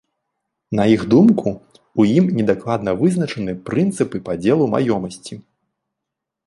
На іх думку, у ім недакладна вызначаны прынцыпы падзелу маёмасці.